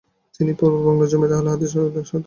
তিনি পূর্ববাংলা জমিয়তে আহলে হাদিস গঠনে সহায়তা করেছেন।